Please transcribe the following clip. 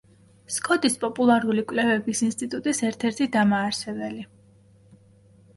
სკოტის პოლარული კვლევების ინსტიტუტის ერთ-ერთი დამაარსებელი.